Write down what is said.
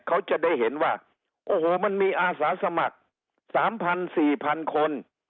เขาจะได้เห็นว่าโอ้โหมันมีอาสาสมัครสามพันสี่พันคน